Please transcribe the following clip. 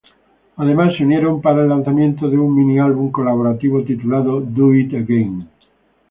Además se unieron para el lanzamiento de un mini-álbum colaborativo titulado "Do It Again".